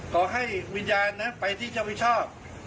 ขอให้วิญญาณไปที่เฉพาะวิชาติ